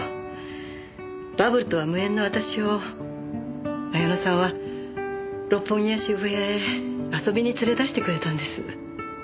バブルとは無縁の私を彩乃さんは六本木や渋谷へ遊びに連れ出してくれたんです。